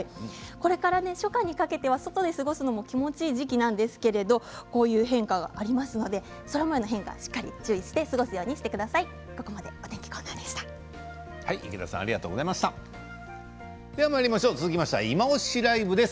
これから初夏にかけては外で過ごすのも気持ちいい時期なんですがこういう変化がありますのでしっかり注意して過ごすように続きましては「いまオシ！ＬＩＶＥ」です。